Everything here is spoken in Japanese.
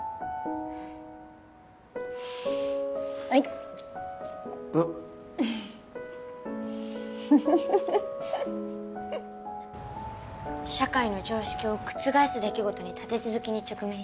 はいフフフ「社会の常識を覆す出来事に立て続けに直面し」